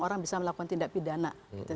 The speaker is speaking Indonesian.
orang bisa melakukan tindak pidana